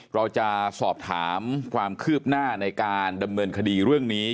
เราจะสอบถามความคืบหน้าในการดำเนินคดีเรื่องนี้